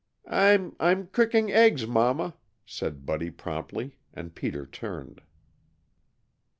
"I'm I'm cooking eggs, Mama," said Buddy promptly, and Peter turned.